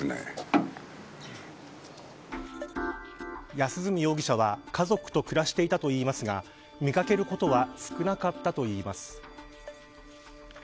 安栖容疑者は家族と暮らしていたといいますが見掛けることは少なかったといいます。